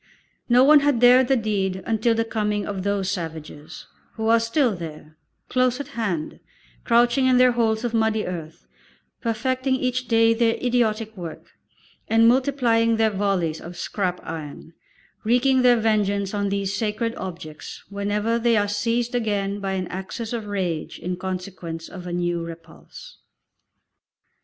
No one had dared the deed until the coming of those savages, who are still there, close at hand, crouching in their holes of muddy earth, perfecting each day their idiotic work, and multiplying their volleys of scrap iron, wreaking their vengeance on these sacred objects whenever they are seized again by an access of rage in consequence of a new repulse.